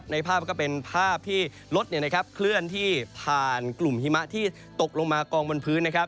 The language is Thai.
ภาพก็เป็นภาพที่รถเคลื่อนที่ผ่านกลุ่มหิมะที่ตกลงมากองบนพื้นนะครับ